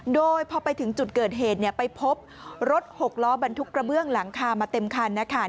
โดยพอไปถึงจุดเกิดเหตุไปพบรถหกล้อบรรทุกกระเบื้องหลังคามาเต็มคันนะคะ